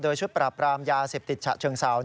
ชุดปราบรามยาเสพติดฉะเชิงเซา